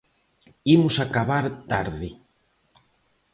Imos acabar tarde.